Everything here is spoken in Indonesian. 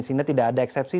sehingga tidak ada eksepsi